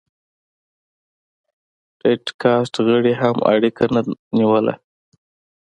ټيټ کاست غړي هم اړیکه نه نیوله.